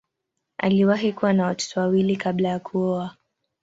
Aliwahi kuwa na watoto wawili kabla ya kuoa.